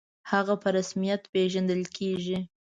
«هغه» په رسمیت پېژندل کېږي.